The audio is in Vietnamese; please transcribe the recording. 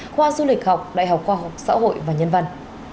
khoa du lịch học đại học khoa học xã hội và nhân văn